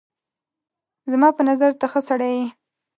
زما په نظر ته ښه سړی یې